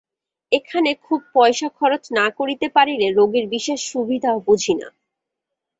এখানে খুব পয়সা খরচ না করিতে পারিলে রোগীর বিশেষ সুবিধা বুঝি না।